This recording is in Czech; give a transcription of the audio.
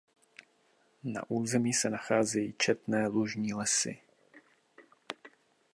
Na území se nacházejí četné lužní lesy.